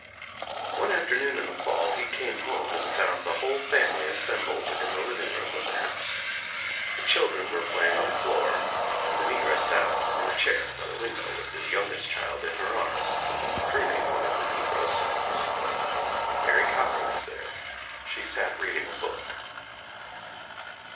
One afternoon in the fall he came home and found le whole family assembled in the living room of the house. The children were playing on the floor and the negress sat in the chair by the window with his youngest child in her arms, crooning one of the negro songs. Mary Cochran was there. She sat reading a book.